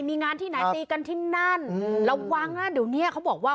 มีงานที่ไหนตีกันที่นั่นระวังนะเดี๋ยวเนี้ยเขาบอกว่า